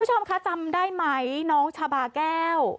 คุณผู้ชมคะจำได้ไหมน้องชาบาแก้ว